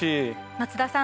松田さん